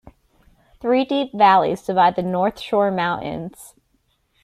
Three deep valleys divide the North Shore Mountains.